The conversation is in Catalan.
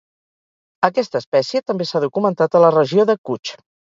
Aquesta espècie també s'ha documentat a la regió de Kutch.